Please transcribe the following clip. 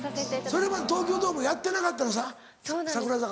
それまで東京ドームやってなかったの櫻坂は。